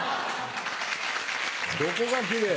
どこがキレイ？